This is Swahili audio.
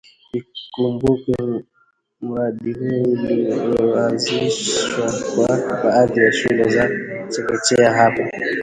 Ikumbukwe mradi huo ulioanzishwa kwa baadhi ya shule za chekechea hapa